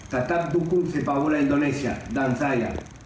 tetap dukung sepabula indonesia dan saya